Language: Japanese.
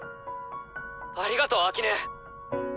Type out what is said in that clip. ありがとう秋音。